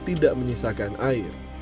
tidak menyisakan air